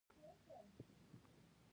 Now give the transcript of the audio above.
• بادام د مغزو لپاره غوره دی.